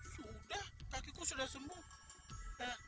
sudah kakiku sudah sembuh